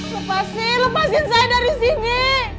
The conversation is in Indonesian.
lepasin lepasin saya dari sini